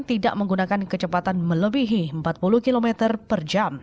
tidak menggunakan kecepatan melebihi empat puluh km per jam